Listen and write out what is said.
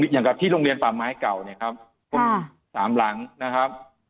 อย่างกับที่โรงเรียนป่าไม้เก่าเนี่ยครับสามหลังนะครับ